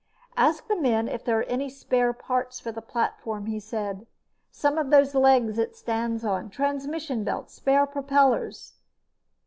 "Ask the men if there are any spare parts for the platform," he said. "Some of those legs it stands on, transmission belts, spare propellers."